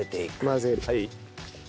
混ぜる。